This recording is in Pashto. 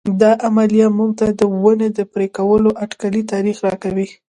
دا عملیه موږ ته د ونې د پرې کولو اټکلي تاریخ راکوي.